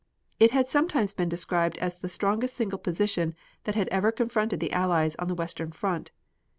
It had sometimes been described as the strongest single position that had ever confronted the Allies on the western front.